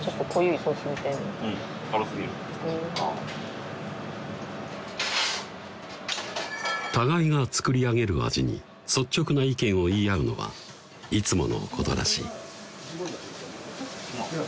うん互いが作り上げる味に率直な意見を言い合うのはいつものことらしいうまい？